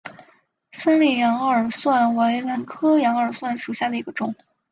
三裂羊耳蒜为兰科羊耳蒜属下的一个种。